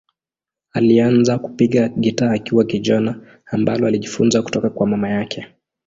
Alianza kupiga gitaa akiwa kijana, ambalo alijifunza kutoka kwa mama yake.